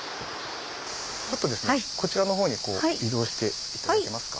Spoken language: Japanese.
こちらのほうにこう移動していただけますか？